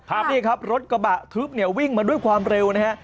ครับนี่ครับรถกระบะทึบเนี่ยวิ่งมาด้วยความเร็วนะฮะ